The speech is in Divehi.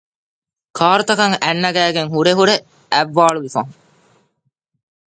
ކާރުތަކަށް އަތް ނަގައިގެން ހުރެ ހުރެ އަތް ވާޅުވި ފަހުން